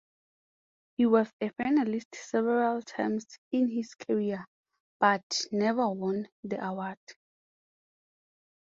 He was a finalist several times in his career, but never won the award.